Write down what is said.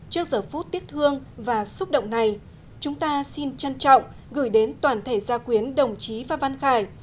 trong những phút tiếc thương và xúc động này chúng ta xin trân trọng gửi đến toàn thể gia quyến đồng chí pháp văn khải